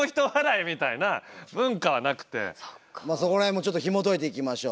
そこら辺もちょっとひもといていきましょう。